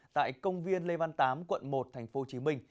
tại công viên lê văn tám quận một tp hcm